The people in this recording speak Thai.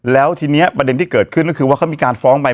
แล้วทีนี้ประเด็นที่เกิดขึ้นก็คือว่าเขามีการฟ้องไป